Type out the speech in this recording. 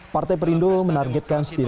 partai perindo menargetkan setidaknya